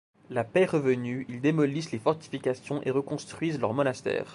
La paix revenue, ils démolissent les fortifications et reconstruisent leur monastère.